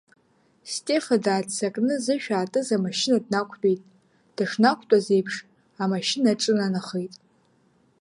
Стефа дааццакны зышә аатыз амашьына днақәтәеит, дышнақәтәаз еиԥш, амашьына аҿынанахеит.